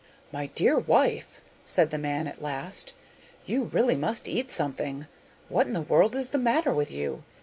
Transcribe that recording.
'My dear wife,' said the man at last, 'you really must eat something. What in the world is the matter with you?